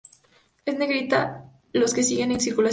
En negrita, los que siguen en circulación.